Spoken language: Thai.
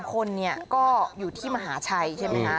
๓คนนี้ก็อยู่ที่มหาชัยใช่ไหมครับ